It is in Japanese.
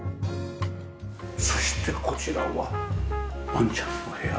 そしてこちらはワンちゃんのお部屋？